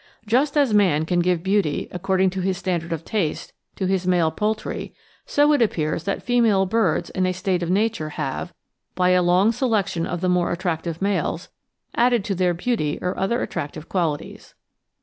"Just as man can give beauty, according to his standard of taste, to his male poultry ... so it appears that female birds in a state of nature have, by a long selection of the more attractive males, added to their beauty or other attractive qualities."